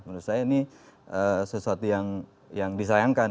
menurut saya ini sesuatu yang disayangkan